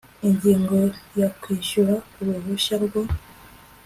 ingingo ya kwishyura uruhushya rwo